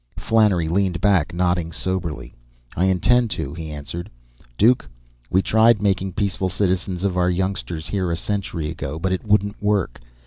Flannery leaned back, nodding soberly. "I intend to," he answered. "Duke, we tried making peaceful citizens of our youngsters here a century ago, but it wouldn't work.